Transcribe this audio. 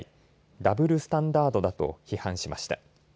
ダブルスタンダードだと批判しました。